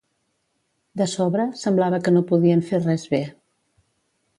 De sobre, semblava que no podien fer res bé.